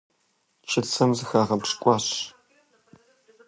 Чыцэм зыхагъэпщкӀуащ.